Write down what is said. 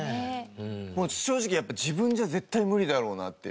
正直やっぱ自分じゃ絶対無理だろうなっていう。